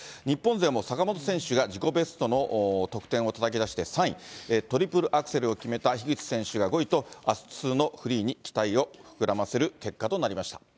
日本勢も坂本選手が自己ベストの得点をたたき出して３位、トリプルアクセルを決めた樋口選手が５位と、あすのフリーに期待を膨らませる結果となりました。